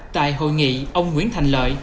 tại hội nghị ông nguyễn thành lợi